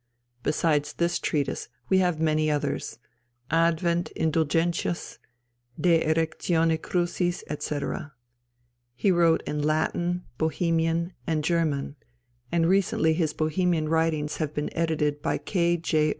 Besides this treatise we have many others Adv. Indulgentias, De Erectione Crucis, etc. He wrote in Latin, Bohemian, and German, and recently his Bohemian writings have been edited by K.